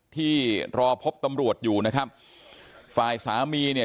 ที่รอพบตำรวจอยู่นะครับฝ่ายสามีเนี่ย